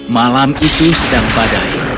malam itu sedang badai